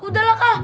udah lah kak